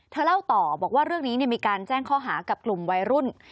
เล่าต่อบอกว่าเรื่องนี้มีการแจ้งข้อหากับกลุ่มวัยรุ่น